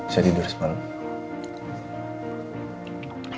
saya tidur semalam